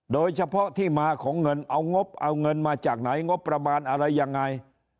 โดยเฉพาะที่มาของเงินเอางบเอาเงินมาจากไหนงบประมาณอะไรยังไง